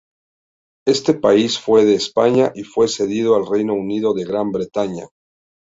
Este país fue de España y fue cedido al Reino Unido de Gran Bretaña.